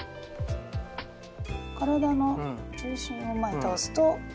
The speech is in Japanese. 体の重心を前に倒すと。